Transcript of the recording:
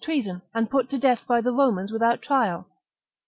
treason and put to death by the Romans with out trial.